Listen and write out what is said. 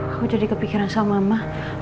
aku jadi kepikiran sama mah